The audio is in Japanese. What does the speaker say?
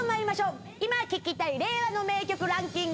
今聴きたい令和の名曲ランキング